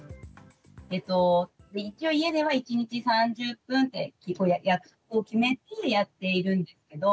えっと一応家では１日３０分って約束を決めてやっているんですけど。